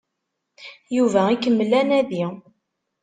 Yuba ikemmel anadi.